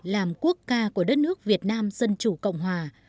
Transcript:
làm quốc ca của đất nước việt nam dân chủ cộng hòa